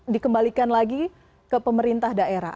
dikembalikan lagi ke pemerintah daerah